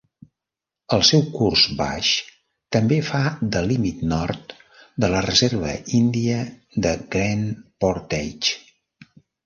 El seu curs baix també fa de límit nord de la reserva índia de Grand Portage.